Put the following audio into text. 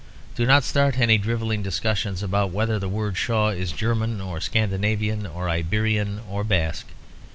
Do not start any drivelling discussions about whether the word Shaw is German or Scandinavian or Iberian or Basque.